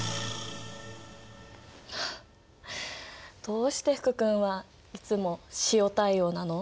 はあどうして福くんはいつも塩対応なの？